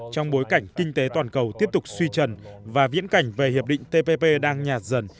trong bối cảnh kinh tế toàn cầu tiếp tục suy trần và viễn cảnh về hiệp định tpp đang nhạt dần